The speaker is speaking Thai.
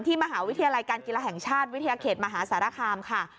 มหาวิทยาลัยการกีฬาแห่งชาติวิทยาเขตมหาสารคามค่ะ